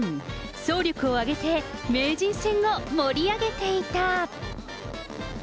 総力を挙げて名人戦を盛り上げていた。